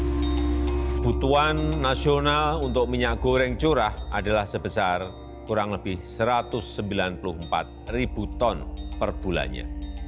kebutuhan nasional untuk minyak goreng curah adalah sebesar kurang lebih satu ratus sembilan puluh empat ribu ton per bulannya